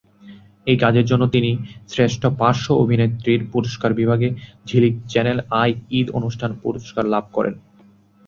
এই কাজের জন্য তিনি শ্রেষ্ঠ পার্শ্ব অভিনেত্রীর পুরস্কার বিভাগে ঝিলিক-চ্যানেল আই ঈদ অনুষ্ঠান পুরস্কার লাভ করেন।